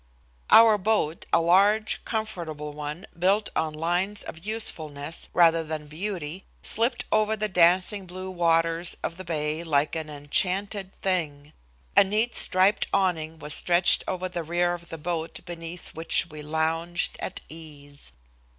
Our boat, a large, comfortable one, built on lines of usefulness, rather than beauty, slipped over the dancing blue waters of the bay like an enchanted thing. A neat striped awning was stretched over the rear of the boat beneath which we lounged at ease.